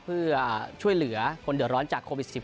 เพื่อช่วยเหลือคนเดือดร้อนจากโควิด๑๙